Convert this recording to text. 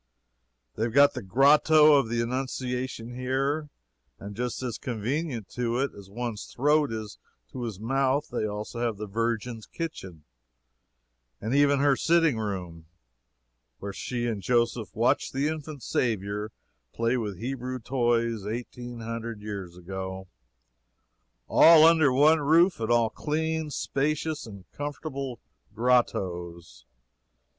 They have got the "Grotto" of the Annunciation here; and just as convenient to it as one's throat is to his mouth, they have also the Virgin's Kitchen, and even her sitting room, where she and Joseph watched the infant Saviour play with Hebrew toys eighteen hundred years ago. All under one roof, and all clean, spacious, comfortable "grottoes."